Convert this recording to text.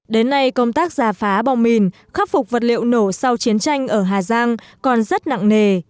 đến nay công tác giả phá bom mìn khắc phục vật liệu nổ sau chiến tranh ở hà giang còn rất nặng nề